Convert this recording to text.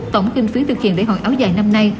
tổng kinh phí thực hiện lễ hội áo dài năm nay